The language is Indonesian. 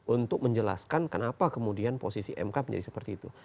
untuk menjelaskan kenapa kemudian posisi mk menjadi seperti itu